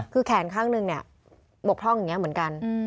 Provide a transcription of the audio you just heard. คือแขนข้างหนึ่งบกพร่องอย่างนี้เหมือนกัน